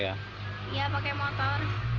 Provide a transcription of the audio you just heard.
iya pake motor